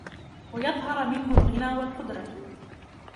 وَيَظْهَرَ مِنْهُ الْغِنَى وَالْقُدْرَةُ